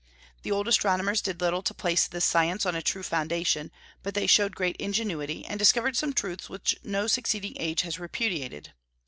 The old astronomers did little to place this science on a true foundation, but they showed great ingenuity, and discovered some truths which no succeeding age has repudiated.